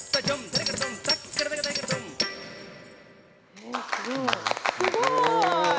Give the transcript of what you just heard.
えすごい。